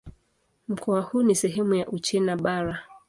Mkoa huu ni sehemu ya Uchina Bara.